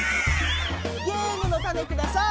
ゲームのタネください！